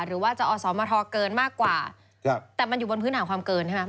หรือว่าจะอสมทเกินมากกว่าครับแต่มันอยู่บนพื้นฐานความเกินใช่ไหม